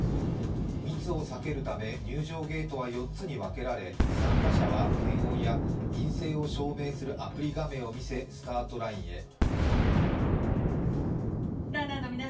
密を避けるため入場ゲートは４つに分けられ参加者は検温や陰性を証明するアプリ画面を見せスタートラインへ。